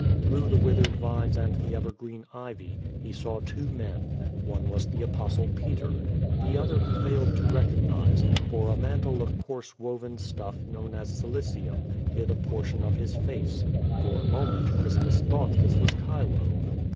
Through the withered vines and the evergreen ivy, he saw two men. One was the Apostle l*eter. The other he failed to re cognize, for a mantle of coarse woven stuff, known as cilicium, hid a portion of his face; for a moment Crispus thought this was Chilo.